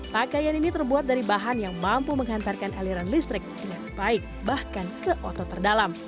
pakaian ini terbuat dari bahan yang mampu menghantarkan aliran listrik dengan baik bahkan ke otot terdalam